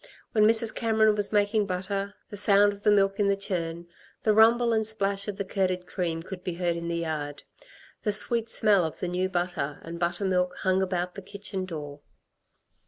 When Mrs. Cameron was making butter, the sound of the milk in the churn, the rumble and splash of the curded cream, could be heard in the yard. The sweet smell of the new butter and buttermilk hung about the kitchen door.